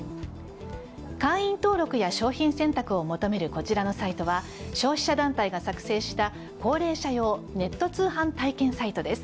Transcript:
会員登録や商品選択を求めるこちらのサイトは消費者団体が作成した高齢者用ネット通販体験サイトです。